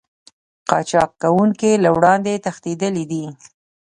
قاچاق کوونکي له وړاندې تښتېدلي دي